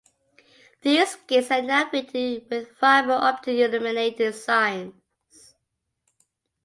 These gates are now fitted with fibre-optic illuminated signs.